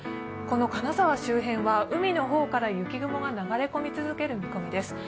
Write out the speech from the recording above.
金澤周辺は海の方から雪雲が流れ続ける見込みです。